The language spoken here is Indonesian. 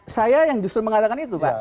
saya yang justru mengatakan itu pak